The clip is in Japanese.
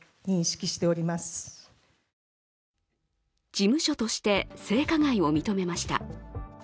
事務所として性加害を認めました。